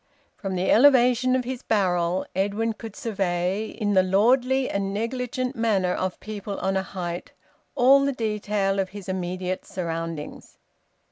From the elevation of his barrel Edwin could survey, in the lordly and negligent manner of people on a height, all the detail of his immediate surroundings.